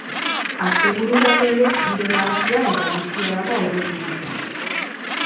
Astebururako ere, giro nahasia eta bustia dago aurreikusita.